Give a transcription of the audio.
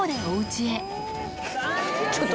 ちょっと